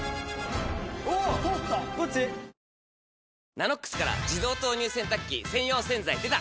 「ＮＡＮＯＸ」から自動投入洗濯機専用洗剤でた！